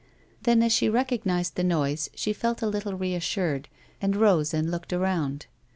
Then, as she recognised the noise, she felt a little reassured, and rose and looked around.